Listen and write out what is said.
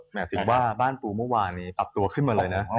หมายถึงว่าบ้านปูเมื่อวานนี้ปรับตัวขึ้นมาเลยนะ